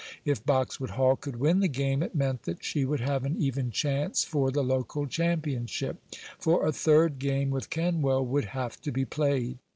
If Boxwood Hall could win the game it meant that she would have an even chance for the local championship, for a third game with Kenwell would have to be played.